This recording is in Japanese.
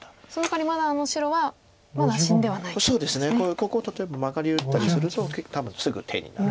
ここ例えばマガリ打ったりすると多分すぐ手になる。